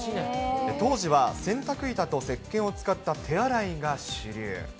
当時は洗濯板とせっけんを使った手洗いが主流。